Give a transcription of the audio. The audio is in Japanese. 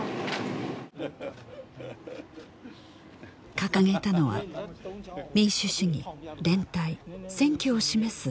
掲げたのは「民主主義連帯選挙」を示す